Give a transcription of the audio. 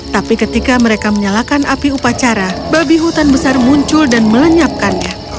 tapi ketika mereka menyalakan api upacara babi hutan besar muncul dan melenyapkannya